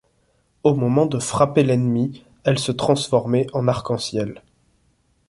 Au moment de frapper l'ennemi, elle se transformait en arc-en-ciel.